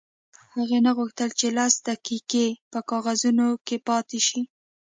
هغې نه غوښتل چې لس دقیقې په کاغذونو کې پاتې شي